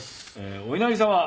「お稲荷様。